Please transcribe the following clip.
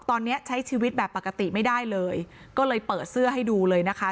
ตอนนี้ใช้ชีวิตแบบปกติไม่ได้เลยก็เลยเปิดเสื้อให้ดูเลยนะคะ